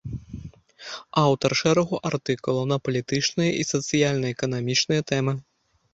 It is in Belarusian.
Аўтар шэрагу артыкулаў на палітычныя і сацыяльна-эканамічныя тэмы.